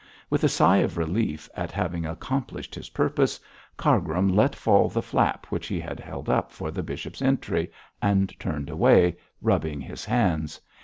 With a sigh of relief at having accomplished his purpose, Cargrim let fall the flap which he had held up for the bishop's entry, and turned away, rubbing his hands.